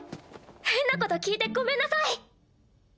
変なこと聞いてごめんなさい。